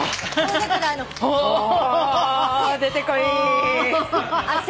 あ！出てこい！